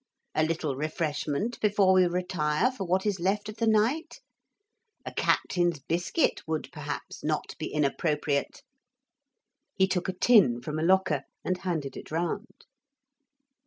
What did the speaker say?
A little refreshment before we retire for what is left of the night? A captain's biscuit would perhaps not be inappropriate?' He took a tin from a locker and handed it round.